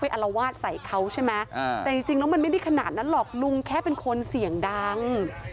อารวาสใส่เขาใช่ไหมแต่จริงแล้วมันไม่ได้ขนาดนั้นหรอกลุงแค่เป็นคนเสียงดัง